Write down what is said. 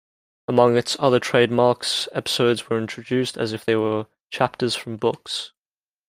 Among its other trademarks, episodes were introduced as if they were chapters from books.